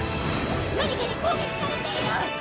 何かに攻撃されている！